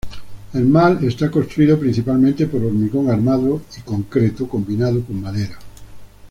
El Mall está construido principalmente por hormigón armado y concreto combinado con madera.